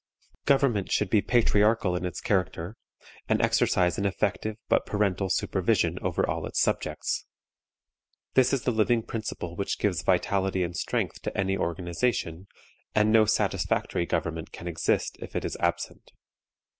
Government should be patriarchal in its character, and exercise an effective but parental supervision over all its subjects. This is the living principle which gives vitality and strength to any organization, and no satisfactory government can exist if it is absent.